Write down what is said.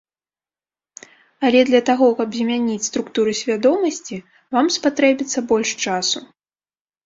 Але для таго, каб змяніць структуры свядомасці, вам спатрэбіцца больш часу.